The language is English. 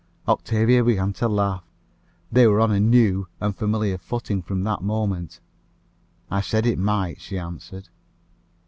Octavia began to laugh. They were on a new and familiar footing from that moment. "I said 'it might,'" she answered.